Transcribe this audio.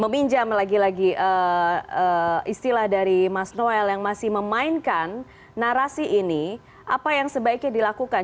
meminjam lagi lagi istilah dari mas noel yang masih memainkan narasi ini apa yang sebaiknya dilakukan